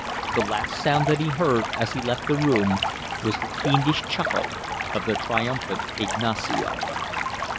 The last sound that he heard as he left the room was the fiendish chuckle of the triumphant Ignacio.